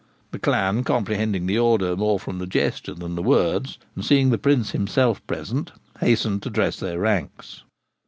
The clan, comprehending the order more from the gesture than the words, and seeing the Prince himself present, hastened to dress their ranks.